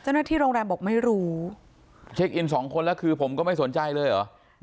เจ้าหน้าที่โรงแรมบอกไม่รู้เช็คอินสองคนแล้วคือผมก็ไม่สนใจเลยเหรอ